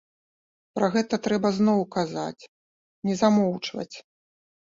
Пра гэта трэба зноў казаць, не замоўчваць.